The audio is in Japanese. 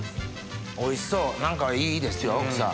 おいしそう何かいいですよ奥さん。